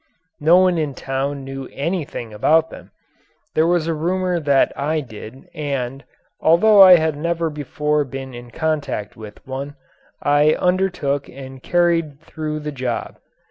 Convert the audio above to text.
No one in town knew anything about them. There was a rumour that I did and, although I had never before been in contact with one, I undertook and carried through the job.